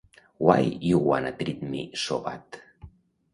"Why You Wanna Treat Me So Bad?"